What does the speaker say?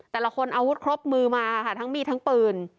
แต่ละคนอาวุธครบมือมาค่ะทั้งมีดทั้งปืน